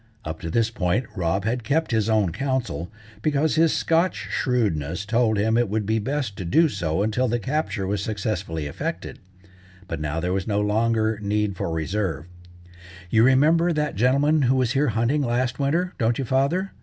Up to this point Rob had kept his own counsel, because his Scotch shrewdness told him it would be best to do so until the capture was successfully effected. But now there was no longer need for reserve. "You remember that gentleman who was here hunting last winter, don't you, father?"